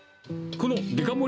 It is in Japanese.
このデカ盛り